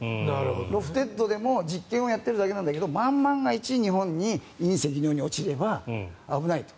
ロフテッドでも実験をやっているだけなんだけど万万が一日本に隕石のように落ちれば危ないと。